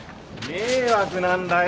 迷惑なんだよ。